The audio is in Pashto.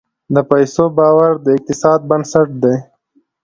د پیسو باور د اقتصاد بنسټ دی.